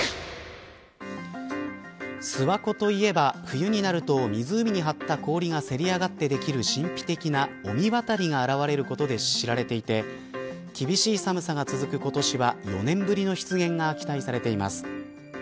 諏訪湖といえば、冬になると湖に張った氷がせり上がってできる神秘的な御神渡りが現れることで知られていて厳しい寒さが続く今年は４年ぶりの出現が期待されています。